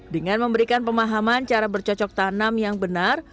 dengan memberikan pemahaman cara bercocok tanam yang benar